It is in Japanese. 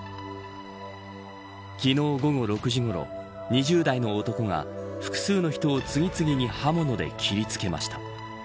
昨日、午後６時ごろ２０代の男が複数の人を次々に刃物で切りつけました。